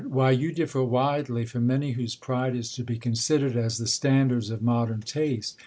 Why, you differ widely from many, whose pride is to be considered as the standards of modern taste.